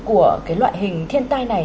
của cái loại hình thiên tai này